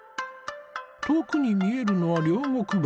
遠くに見えるのは両国橋。